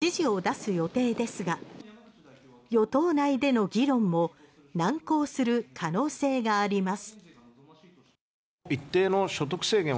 岸田総理は明日与党に正式に指示を出す予定ですが与党内での議論も難航する可能性があります。